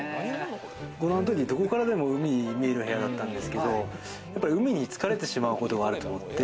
どこからでも海が見える部屋だったんですけど、海に疲れてしまうことがあると思って。